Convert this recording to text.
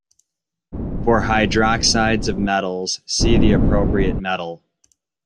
For hydroxides of metals, see the appropriate metal.